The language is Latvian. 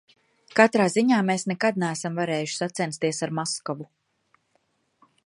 Katrā ziņā mēs nekad neesam varējuši sacensties ar Maskavu.